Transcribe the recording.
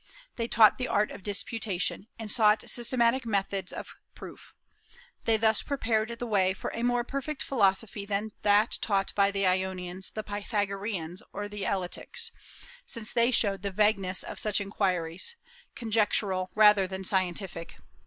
They taught the art of disputation, and sought systematic methods of proof. They thus prepared the way for a more perfect philosophy than that taught by the Ionians, the Pythagoreans, or the Eleatics, since they showed the vagueness of such inquiries, conjectural rather than scientific.